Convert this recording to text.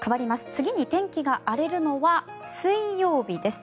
次に天気が荒れるのは水曜日です。